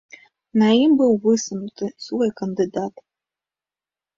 На ім быў высунуты свой кандыдат.